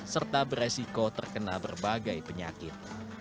serta beresiko terkena berbagai penyakit